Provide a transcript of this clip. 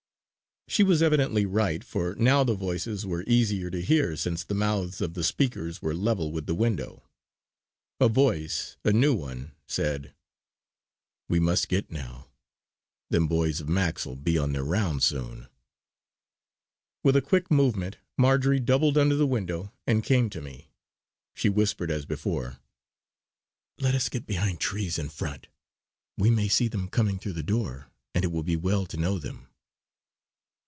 She was evidently right, for now the voices were easier to hear since the mouths of the speakers were level with the window. A voice, a new one, said: "We must git now. Them boys of Mac's 'll be on their round soon." With a quick movement Marjory doubled under the window and came to me. She whispered as before: "Let us get behind trees in front. We may see them coming through the door, and it will be well to know them."